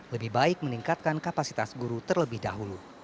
lebih baik meningkatkan kapasitas guru terlebih dahulu